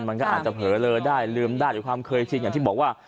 มันก็อาจจะเผลอเลอได้ลืมได้หรือความเคยชินอย่างที่บอกว่า